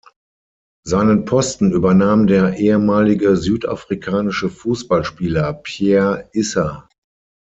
Seinen Posten übernahm der ehemalige südafrikanische Fußballspieler Pierre Issa.